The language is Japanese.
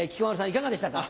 いかがでしたか？